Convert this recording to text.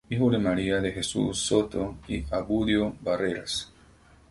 Hijo de Maria De Jesús Soto y Abundio Barreras.